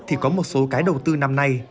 thì có một số cái đầu tư năm nay